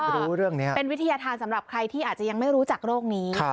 แล้วว่าเป็นวิทยาทางสำหรับใครที่อาจจะยังไม่รู้จักโรคนี้